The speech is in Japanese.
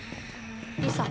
リサ。